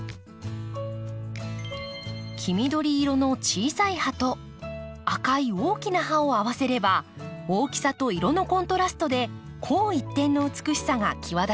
黄緑色の小さい葉と赤い大きな葉を合わせれば大きさと色のコントラストで紅一点の美しさがきわだちます。